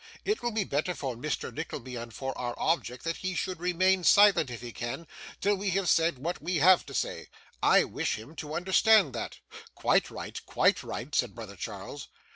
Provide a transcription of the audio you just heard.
'It will be better for Mr. Nickleby and for our object that he should remain silent, if he can, till we have said what we have to say. I wish him to understand that.' 'Quite right, quite right,' said brother Charles.